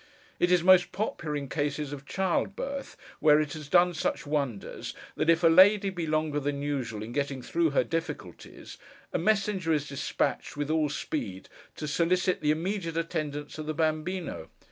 It is most popular in cases of child birth, where it has done such wonders, that if a lady be longer than usual in getting through her difficulties, a messenger is despatched, with all speed, to solicit the immediate attendance of the Bambíno.